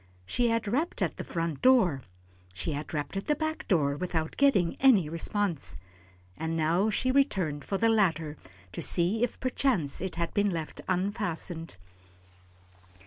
She had rapped at the front door, she had rapped at the back door without getting any response, and now she returned to the latter to see if perchance it had been left unfastened.